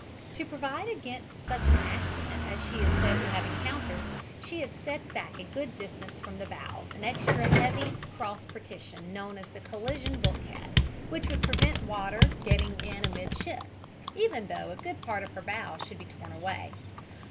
To provide against just such an accident as she is said to have encountered she had set back a good distance from the bows an extra heavy cross partition known as the collision bulkhead, which would prevent water getting in amidships, even though a good part of her bow should be torn away.